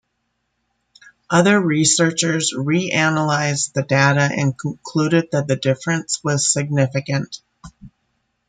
Other researchers reanalyzed the data and concluded that the difference was significant.